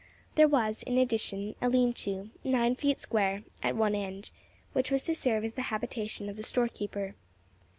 There was, in addition, a lean to, nine feet square, at one end, which was to serve as the habitation of the storekeeper.